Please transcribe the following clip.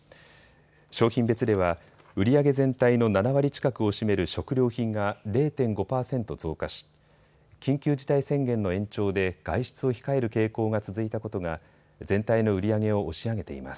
商品別では売り上げ全体の７割近くを占める食料品が０．５％増加し緊急事態宣言の延長で外出を控える傾向が続いたことが全体の売り上げを押し上げています。